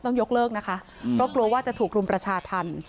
ต้องยกเลิกนะคะเพราะกลัวว่าจะถูกรุมประชาธรรม